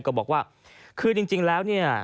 ก็บอกว่าคือจริงแล้วเนี่ย